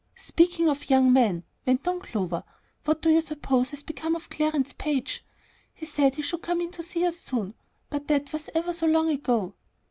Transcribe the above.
"Speaking of young men," went on Clover, "what do you suppose has become of Clarence Page? He said he should come in to see us soon; but that was ever so long ago."